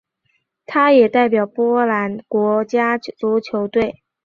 他也代表波兰国家足球队。